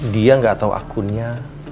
dia gak tau akunnya